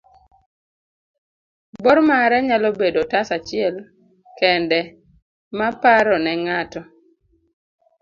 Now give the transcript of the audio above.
bor mare nyalo bedo otas achiel kende ma paro ne ng'ato